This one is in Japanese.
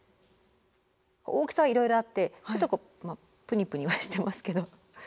大きさはいろいろあってちょっとこうプニプニはしてますけど。